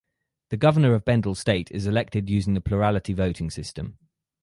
The Governor of Bendel State is elected using the plurality voting system.